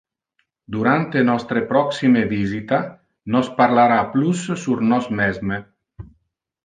Durante nostre proxime visita nos parlara plus sur nos mesme.